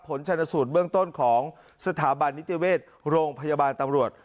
ชนสูตรเบื้องต้นของสถาบันนิติเวชโรงพยาบาลตำรวจ